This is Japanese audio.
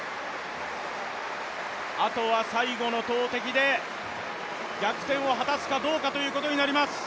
あとは最後の投てきで逆転を果たすかどうかということになります。